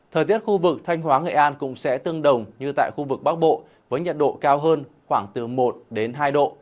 thời tiết khu vực thanh hóa nghệ an cũng sẽ tương đồng như tại khu vực bắc bộ với nhiệt độ cao hơn khoảng từ một đến hai độ